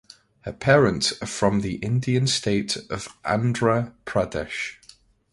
Her parents are from the Indian state of Andhra Pradesh.